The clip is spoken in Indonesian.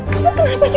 kamu kenapa sih